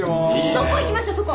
そこ行きましょうそこ！